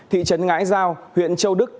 thị trấn ngãi giao huyện châu đức